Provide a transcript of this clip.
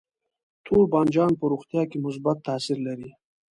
تور بانجان په روغتیا کې مثبت تاثیر لري.